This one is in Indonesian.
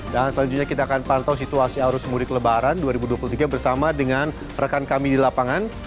dan selanjutnya kita akan pantau situasi arus mudik lebaran dua ribu dua puluh tiga bersama dengan rekan kami di lapangan